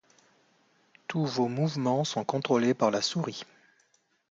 Tous vos mouvements sont contrôlés par la souris.